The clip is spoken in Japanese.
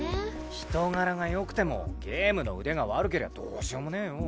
人柄が良くてもゲームの腕が悪けりゃどうしようもねえよ。